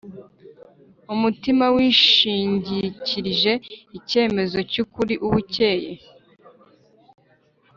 Umutima wishingikirije icyemezo cy’ukuri uba ukeye